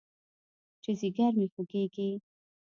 چې ځيگر مې خوږېږي.